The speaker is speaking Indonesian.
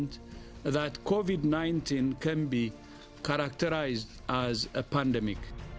bahwa covid sembilan belas bisa dikarakterisikan sebagai pandemi